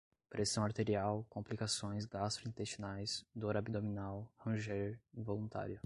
pressão arterial, complicações gastrointestinais, dor abdominal, ranger, involuntário